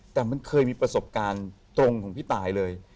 แต่มันเคยมีประสบการณ์ตรงของพี่ตายเลย